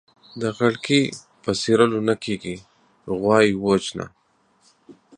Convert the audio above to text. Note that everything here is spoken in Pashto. د غړکي په څيرلو نه کېږي ، غوا يې ووژنه.